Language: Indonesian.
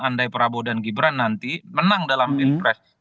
andai prabowo dan gibran nanti menang dalam pilpres